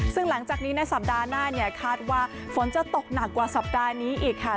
ซึ่งหลังจากนี้ในสัปดาห์หน้าเนี่ยคาดว่าฝนจะตกหนักกว่าสัปดาห์นี้อีกค่ะ